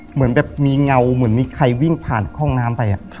เหมือนแบบมีเงาเหมือนมีใครวิ่งผ่านห้องน้ำไป